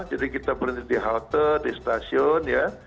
jadi kita berhenti di halte di stasiun ya